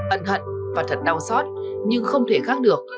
ân hận và thật đau xót nhưng không thể khác được